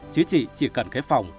chứ chị chỉ cần cái phòng